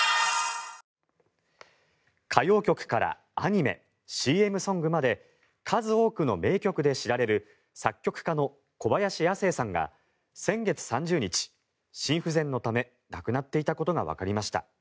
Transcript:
歌謡曲からアニメＣＭソングまで数多くの名曲で知られる作曲家の小林亜星さんが先月３０日心不全のため亡くなっていたことがわかりました。